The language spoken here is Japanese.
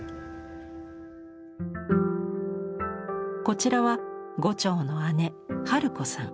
こちらは牛腸の姉春子さん。